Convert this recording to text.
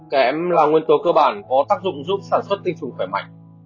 kém là nguyên tố cơ bản có tác dụng giúp sản xuất tinh trùng khỏe mạnh